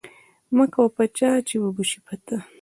مکوه په چا، چي و به سي په تا